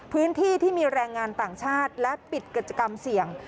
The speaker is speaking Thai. พื้นที่ที่มีแรงงานต่างชาติและปิดกิจกรรมเสี่ยง